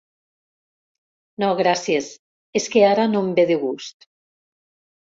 No gràcies, és que ara no em ve de gust.